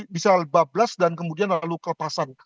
bisa bablas dan kemudian lalu kelepasan